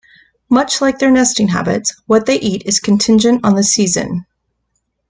Much like their nesting habits, what they eat is contingent on the season.